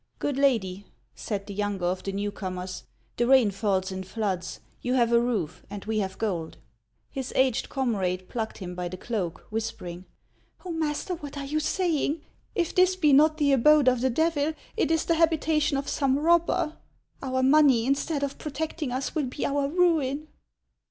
" Good lady," said the younger of the new comers, " the rain falls in floods ; you have a roof, and we have gold." His aged comrade plucked him by the cloak, whispering, " Oh, master, what are you saying ? If this be not the 136 IIAKS OF ICELAND. abode of the Devil, it is the habitation of some robber. Our money, instead of protecting us, will be our ruin."